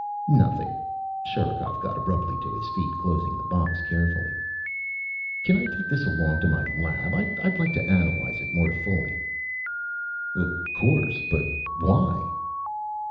"Nothing." Sherikov got abruptly to his feet, closing the box carefully. "Can I take this along? To my lab? I'd like to analyze it more fully." "Of course. But why?"